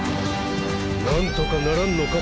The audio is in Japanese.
何とかならんのか？